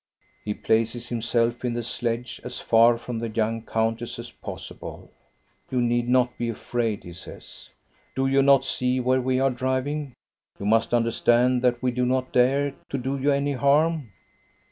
He places himself in the sledge, as far from the young countess as possible. " You need not be afraid," he says. " Do you not see where we are driving? You must understand that we do not dare to do you any harm."